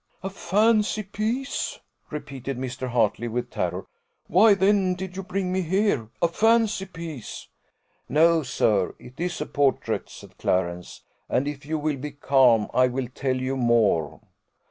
"A fancy piece," repeated Mr. Hartley, with terror: "why then did you bring me here? A fancy piece!" "No, sir; it is a portrait," said Clarence; "and if you will be calm, I will tell you more."